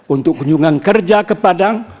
untuk kunjungan kerja ke padang